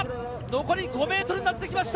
残り５ｍになってきました。